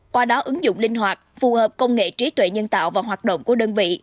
qua đó ứng dụng linh hoạt phù hợp công nghệ trí tuệ nhân tạo và hoạt động của đơn vị